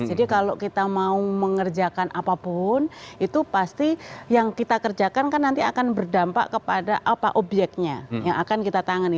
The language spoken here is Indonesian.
jadi kalau kita mau mengerjakan apapun itu pasti yang kita kerjakan kan nanti akan berdampak kepada objeknya yang akan kita tangani